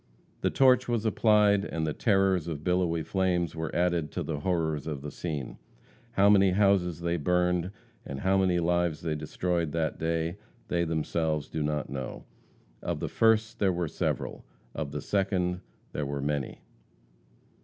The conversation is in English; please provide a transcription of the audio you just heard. The torch was applied, and the terrors of billowy flames were added to the horrors of the scene. How many houses they burned, and how many lives they destroyed that day, they themselves do not know; of the first there were several, of the second there were many.